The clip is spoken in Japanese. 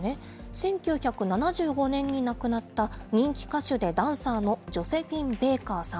１９７５年に亡くなった人気歌手でダンサーのジョセフィン・ベーカーさん。